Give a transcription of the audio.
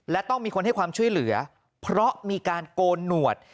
และต้องมีคนให้ความช่วยเหลือเพราะมีการโกนหนวด